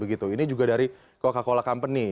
ini juga dari coca cola company